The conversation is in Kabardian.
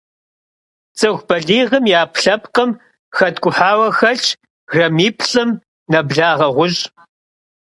Ts'ıxu baliğım yi 'epkhlhepkhım xetk'uhaue xelhş grammiplh'ım neblağe ğuş'.